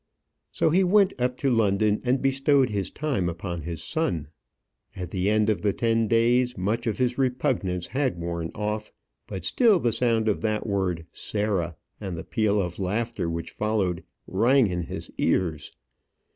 So he went up to London, and bestowed his time upon his son. At the end of the ten days much of his repugnance had worn off. But still the sound of that word "Sarah," and the peal of laughter which followed, rang in his ears.